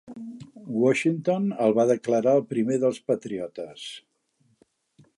Washington el va declarar el primer dels patriotes.